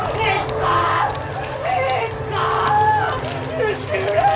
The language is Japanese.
許してくれ！